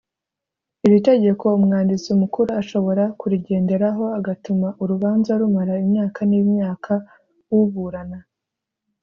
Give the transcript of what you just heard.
iri tegeko Umwanditsi Mukuru ashobora kuri genderaho agatuma urubanza rumara imyaka ni myaka uburana